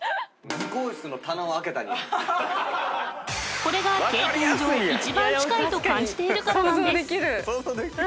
［これが経験上一番近いと感じているからなんです］